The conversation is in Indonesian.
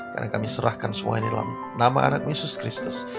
karena kami serahkan semuanya dalam nama anakmu yesus kristus